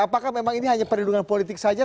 apakah memang ini hanya perlindungan politik saja